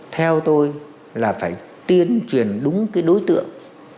theo tôi là phải tiến truyền đúng cái đối tượng